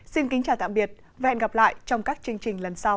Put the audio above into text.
xin kính chào tạm biệt và hẹn gặp lại trong các chương trình lần sau